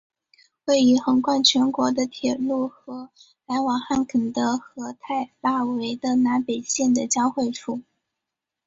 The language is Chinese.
位于横贯全国的铁路和来往汉肯德和泰拉维的南北线的交汇处。